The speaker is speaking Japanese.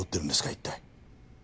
一体。